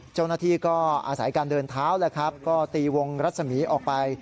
เจ้าหน้าที่ก็อาศัยการเดินเท้าตีวงรัฐสมีออกไป